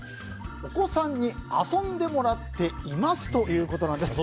お子さんに遊んでもらっていますということなんです。